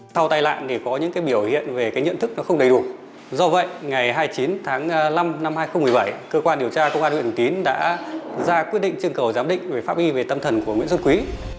sau tai nạn thì có những biểu hiện về cái nhận thức nó không đầy đủ do vậy ngày hai mươi chín tháng năm năm hai nghìn một mươi bảy cơ quan điều tra công an huyện thường tín đã ra quyết định chương cầu giám định về pháp y về tâm thần của nguyễn xuân quý